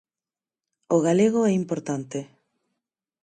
O galego é importante.